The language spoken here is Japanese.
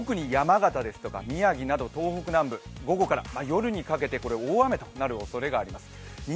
特に山形ですとか宮城ですとか東北南部午後から夜にかけて大雨となるおそれがあります。